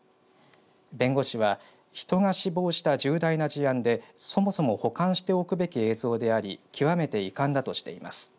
弁護士は人が死亡した重大な事案でそもそも保管しておくべき映像であり極めて遺憾だとしています。